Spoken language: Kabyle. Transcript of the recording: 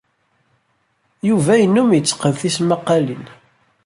Yuba yennum yetteqqen tismaqqalin.